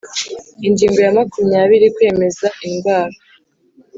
Ingingo ya makumyabiri Kwemeza indwara